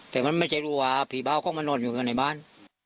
แต่มันไม่ใช่รัวผีเบาก็มานอนอยู่ในบ้าน